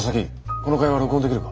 この会話録音できるか？